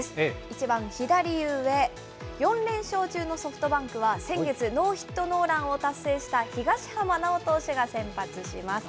一番左上、４連勝中のソフトバンクは先月、ノーヒットノーランを達成した、東浜巨投手が先発します。